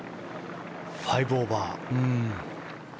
５オーバー。